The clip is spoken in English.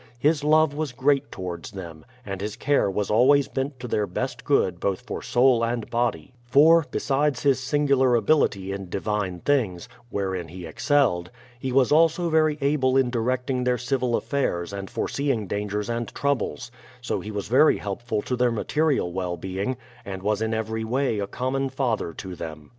His love was great towards them, and his care was always bent to their best good both for soul and body ; for, besides his singular ability in divine things (wherein he excelled), he was also very able in directing their civil affairs and foreseeing dangers and troubles; so he was very helpful to their material well being, and was in every way a common father to them.